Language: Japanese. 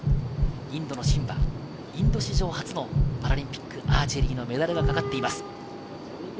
インドのシンはインド史上初のパラリンピック、アーチェリーのメダルがかかっています。